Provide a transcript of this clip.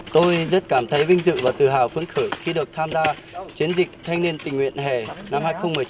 tôi rất cảm thấy vinh dự và tự hào phấn khởi khi được tham gia chiến dịch thanh niên tình nguyện hè năm hai nghìn một mươi chín